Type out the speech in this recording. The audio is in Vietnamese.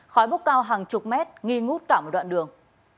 khói bốc cao hàng chục mét nghi ngút cả một đoạn đường